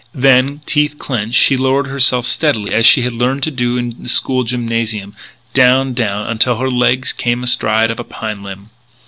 Then, teeth clenched, she lowered herself steadily as she had learned to do in the school gymnasium, down, down, until her legs came astride of a pine limb.